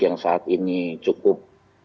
yang saat ini cukup